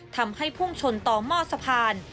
ทำให้พุ่งชนต่อหม้อสะพาน